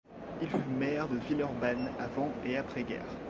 Il fut maire de Villeurbanne avant et après guerre.